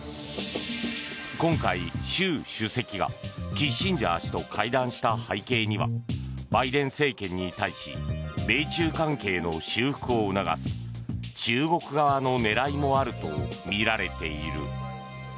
今回、習主席がキッシンジャー氏と会談した背景にはバイデン政権に対し米中関係の修復を促す中国側の狙いもあるとみられている。